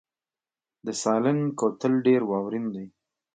د سالنګ کوتل ډیر واورین دی